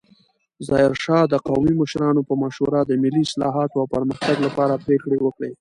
ظاهرشاه د قومي مشرانو په مشوره د ملي اصلاحاتو او پرمختګ لپاره پریکړې وکړې.